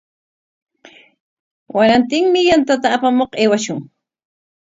Warantinmi yantata apamuq aywashun.